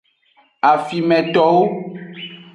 Afimetowo.